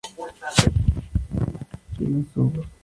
Tillandsia subg.